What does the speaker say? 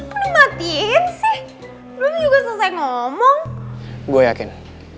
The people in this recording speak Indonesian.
hah lu udah matiin sih belum juga selesai ngomong gue yakin